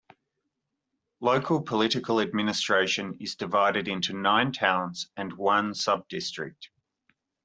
Local political administration is divided into nine towns and one subdistrict.